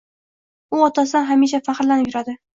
U otasidan hamisha faxrlanib yuradi